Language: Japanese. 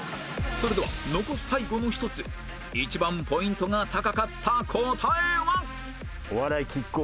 それでは残す最後の１つ一番ポイントが高かった答えは？